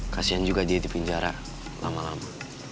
kasian juga dia di penjara lama lama